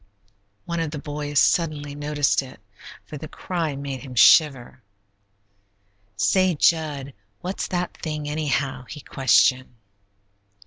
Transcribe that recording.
One of the boys suddenly noticed it, for the cry made him shiver. "Say, Jud, what's that thing, anyhow?" he questioned.